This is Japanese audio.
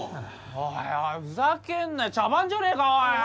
おいおいふざけんなよ茶番じゃねえかおい！